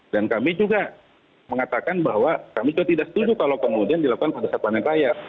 dan kami juga mengatakan bahwa kami juga tidak setuju kalau kemudian dilakukan pada saat panen raya